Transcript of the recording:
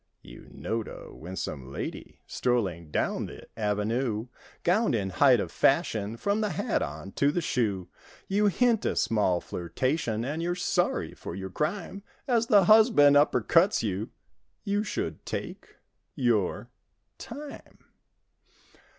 You note a winsome lady Strolling down the avenue; Gowned in height of fashion From the hat on to the shoe; You hint a small flirtation. And you're sorry for your crime As the husband upper cuts you— Y ou—should—take—your—time.